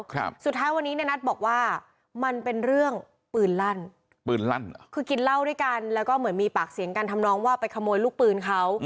สุดท้ายวันนี้ในนัทบอกว่ามันเป็นเรื่องปืนลั่นปืนลั่นเหรอคือกินเหล้าด้วยกันแล้วก็เหมือนมีปากเสียงกันทำน้องว่าไปขโมยลูกปืนเขา